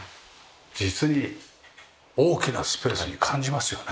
実に大きなスペースに感じますよね。